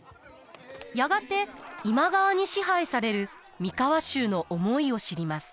やがて今川に支配される三河衆の思いを知ります。